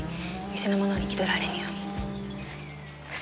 店の者に気取られぬように。